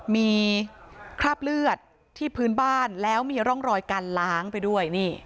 มีคราบเลือดที่พื้นบ้านแล้วมีร่องรอยการล้างไปด้วย